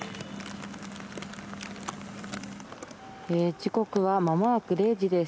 時刻はまもなく０時です。